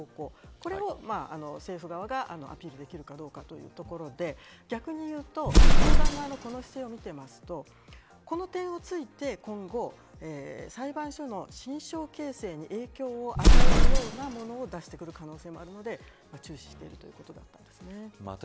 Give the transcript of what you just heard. これを政府側がアピールできるかというところで逆にいうと教団側のこの姿勢を見ているとこの点を突いて、今後裁判所の心証形成に影響を与えるようなものを出してくる可能性もあるので注視しています。